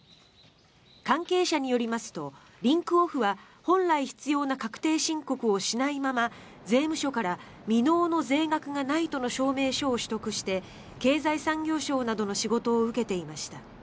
関係者によりますとリンクオフは本来必要な確定申告をしないまま税務署から未納の税額がないとの証明書を取得して経済産業省などの仕事を受けていました。